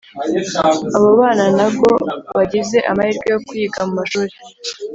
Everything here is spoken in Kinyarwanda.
abo bana nago bagize amahirwe yo kuyiga mu mashuli